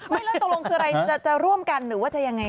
แล้วตรงรองคืออะไรจะร่วมกันหรือว่าจะอย่างไร